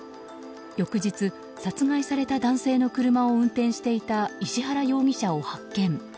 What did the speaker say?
翌日、殺害された男性の車を運転していた石原容疑者を発見。